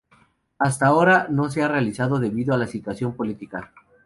Hasta ahora, no se ha realizado debido a la situación política.